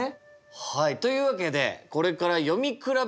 はいというわけでこれから読み比べをしていきます。